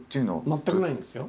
全くないんですよ。